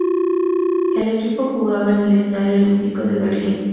El equipo jugaba en el Estadio Olímpico de Berlín.